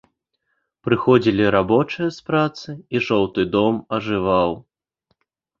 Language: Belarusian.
Прыходзілі рабочыя з працы, і жоўты дом ажываў.